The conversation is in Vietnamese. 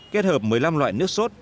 kết hợp một mươi năm loại nước sốt